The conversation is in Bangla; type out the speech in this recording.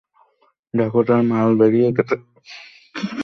তোমরা যদি না আসতে, তাহলে এই দরজা কখনোই খুলতো না।